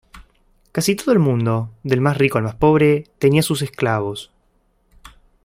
Casi todo el mundo, del más rico al más pobre, tenía sus esclavos.